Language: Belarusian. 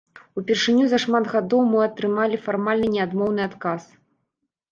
Упершыню за шмат гадоў мы атрымалі фармальна не адмоўны адказ.